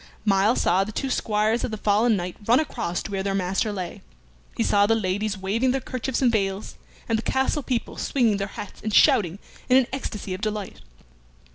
Myles saw the two squires of the fallen knight run across to where their master lay, he saw the ladies waving their kerchiefs and veils, and the castle people swinging their hats and shouting in an ecstasy of delight.